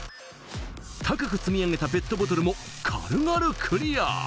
高く積み上げたペットボトルも軽々クリア。